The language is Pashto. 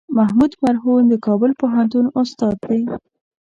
محمود مرهون د کابل پوهنتون استاد دی.